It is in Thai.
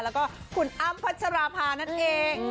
แล้วก็คุณอ้ำพัชราภานั่นเอง